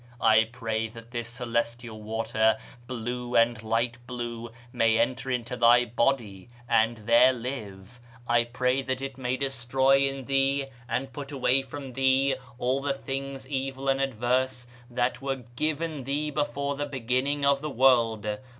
I pray that this celestial water, blue and light blue, may enter into thy body, and there live; I pray that it may destroy in thee and put away from thee all the things evil and adverse that were given thee before the beginning of the world....